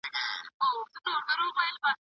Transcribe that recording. کله به نړیواله ټولنه بحران تایید کړي؟